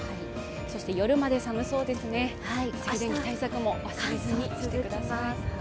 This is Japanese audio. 夜まで寒そうですね、静電気対策も忘れずにしてください。